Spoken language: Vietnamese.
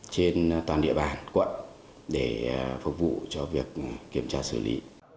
trên toàn địa bàn quận để phục vụ cho việc kiểm tra xử lý